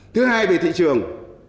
thứ hai về thị trường